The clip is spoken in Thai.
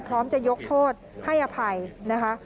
พร้อมจะยกโทษให้อภัยนะคะ